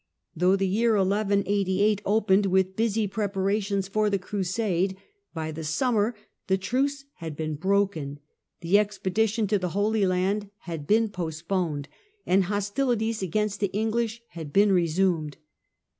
Though the year 1188 opened with busy PHILIP AUGUSTUS, LOUIS VIII., AND ST LOUIS 187 preparations for the Crusade, by the summer the truce had been broken, the expedition to the Holy Land had been postponed, and hostilities against the English had been resumed.